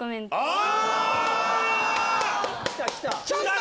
あ！